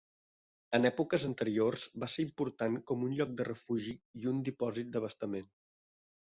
En èpoques anteriors, va ser important com un lloc de refugi i un dipòsit d'abastament.